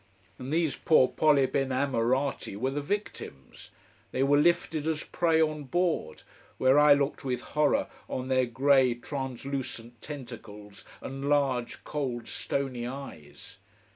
And these poor polyp inamorati were the victims. They were lifted as prey on board, where I looked with horror on their grey, translucent tentacles and large, cold, stony eyes.